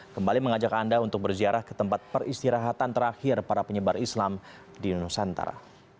kembali mengajak anda untuk berziarah ke tempat peristirahatan terakhir para penyebar islam di nusantara